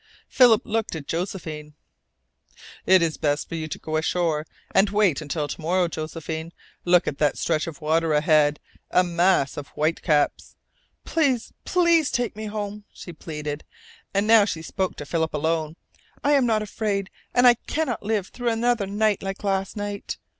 Philip looked at Josephine. "It is best for you to go ashore and wait until to morrow, Josephine. Look at that stretch of water ahead a mass of whitecaps." "Please, please take me home," she pleaded, and now she spoke to Philip alone. "I'm not afraid. And I cannot live through another night like last night.